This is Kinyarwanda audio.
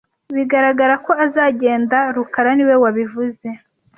Biragaragara ko azagenda rukara niwe wabivuze